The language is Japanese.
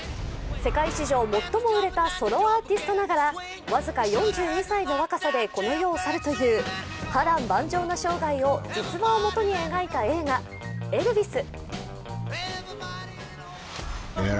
世界史上最も売れたソロアーティストながら僅か４２歳の若さでこの世を去るという波乱万丈な生涯を実話をもとに描いた映画「エルヴィス」。